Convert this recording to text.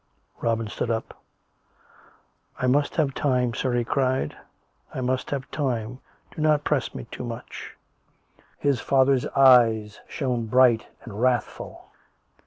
Robin stood up. " I must have time, sir," he cried ;" I must have time. Do not press me too much." His father's eyes shone bright and wrathful.